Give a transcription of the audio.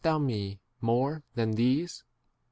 thou me more than these ?